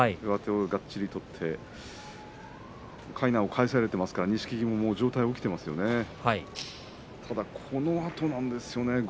上手をがっちり取ってかいなを返されてますから錦木の上体が起きていますよね。